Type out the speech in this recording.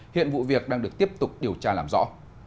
hiện vụ việc đang được tiếp tục điều tra làm rõ